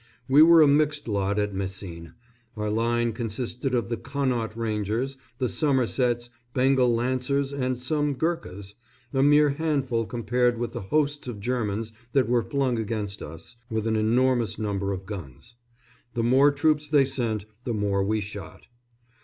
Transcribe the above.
We were a mixed lot at Messines. Our line consisted of the Connaught Rangers, the Somersets, Bengal Lancers and some Ghurkas a mere handful compared with the hosts of Germans that were flung against us, with an enormous number of guns. The more troops they sent the more we shot.